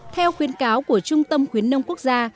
theo khuyến cáo của trung tâm khuyến nông quốc gia